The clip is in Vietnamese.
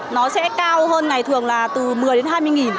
nó sẽ cao hơn ngày thường là từ một mươi đến hai mươi nghìn